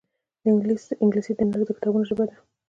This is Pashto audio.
انګلیسي د نړۍ د کتابونو ژبه ده